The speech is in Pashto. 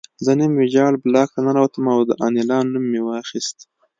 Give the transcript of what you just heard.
زه نیم ویجاړ بلاک ته ننوتم او د انیلا نوم مې واخیست